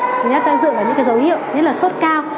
chúng ta dựa vào những dấu hiệu như là sốt cao